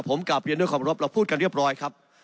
ผมกลับเรียนด้วยความรบเราพูดกันเรียบร้อยครับ